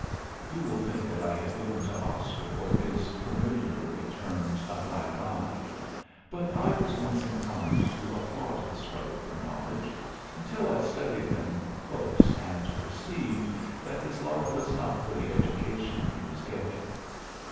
You will think that I have given to Oscar what is familiarly termed a black eye. But I was once inclined to applaud his struggle for knowledge, until I studied him close and perceived that his love was not for the education he was getting.